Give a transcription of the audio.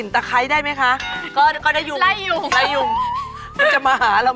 ที่ไม่มีหน้าแหลม